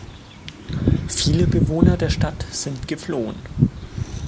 Viele Bewohner der Stadt sind geflohen.